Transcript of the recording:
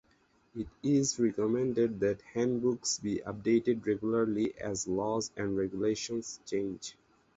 It is recommended that handbooks be updated regularly as laws and regulations change.